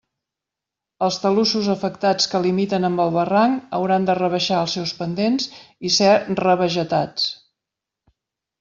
Els talussos afectats que limiten amb el barranc hauran de rebaixar els seus pendents i ser revegetats.